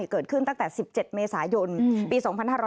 เกิดขึ้นตั้งแต่๑๗เมษายนปี๒๕๕๙